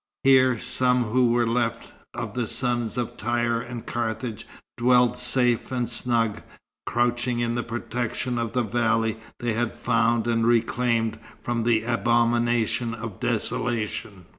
Here, some who were left of the sons of Tyre and Carthage dwelt safe and snug, crouching in the protection of the valley they had found and reclaimed from the abomination of desolation.